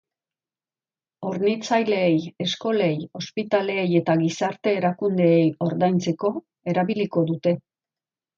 Hornitzaileei, eskolei, ospitaleei eta gizarte erakundeei ordaintzeko erabiliko dute.